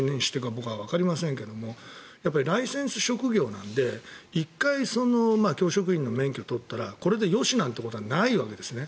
僕はわかりませんがライセンス職業なので１回、教職員の免許を取ったらこれでよしなんてことはないわけですね。